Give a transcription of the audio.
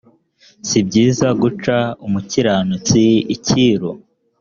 si byiza guca umukiranutsi icyiru